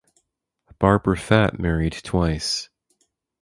Barbara Fatt married twice.